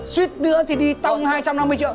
xuyết nữa thì đi tong hai trăm năm mươi triệu